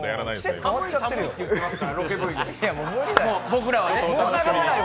寒い、寒いって言っていますからロケＶで。